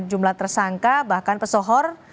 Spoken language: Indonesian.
jumlah tersangka bahkan pesohor